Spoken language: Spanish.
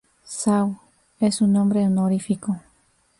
Saw es su nombre honorífico.